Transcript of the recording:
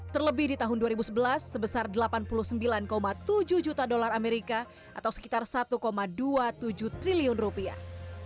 terlebih di tahun dua ribu sebelas sebesar delapan puluh sembilan tujuh juta dolar amerika atau sekitar satu dua puluh tujuh triliun rupiah